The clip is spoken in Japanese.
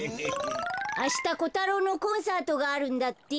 ・あしたコタロウのコンサートがあるんだって。